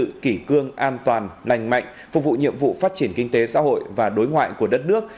tạo sự kỷ cương an toàn lành mạnh phục vụ nhiệm vụ phát triển kinh tế xã hội và đối ngoại của đất nước